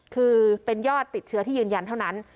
คือเป็นยอดติดเชื้อที่ยืนยันเท่านั้น